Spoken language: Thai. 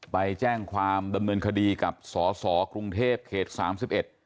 ไปแจ้งความดำเนินคดีกับสอสอกรุงเทพเขตสามสิบเอ็ด